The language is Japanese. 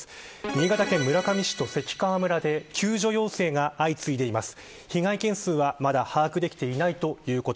新潟県村上市と関川村で救助要請が相次いでいます。